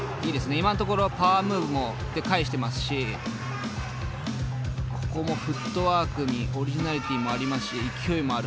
今のところパワームーブで返していますしここもフットワークにオリジナリティーもありますし勢いもある。